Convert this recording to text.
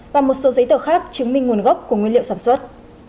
và một số giấy tờ khác chứng minh nguồn gốc của nguyên liệu sản xuất